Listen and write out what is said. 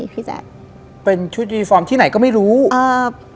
พี่แจ๊คเป็นชุดยูฟอร์มที่ไหนก็ไม่รู้อ่า